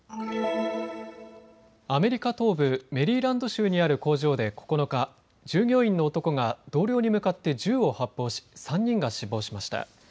アメリカ東部メリーランド州にある工場で９日、従業員の男が同僚に向かって銃を発砲し３人が死亡しました。